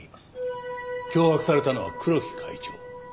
脅迫されたのは黒木会長。